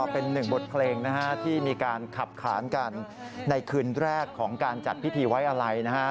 เพลงที่มีการขับขานกันในคืนแรกของการจัดพิธีไว้อาลัย